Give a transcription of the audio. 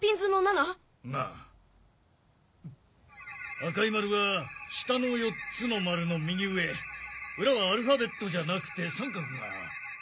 赤い丸は下の４つの丸の右上裏はアルファベットじゃなくて三角が。